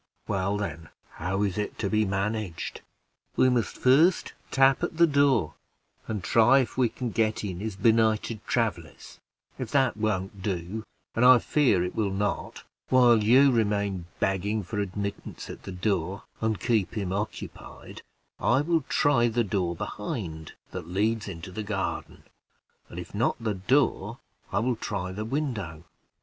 "Well, then, how is it to be managed?" "We must first tap at the door, and try if we can get in as benighted travelers; if that won't do and I fear it will not while you remain begging for admittance at the door, and keep him occupied, I will try the door behind, that leads into the garden; and if not the door, I will try the window.